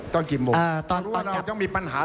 ตอนกี่โมง